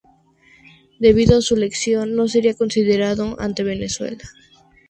Debido a su lesión no sería considerado ante Venezuela.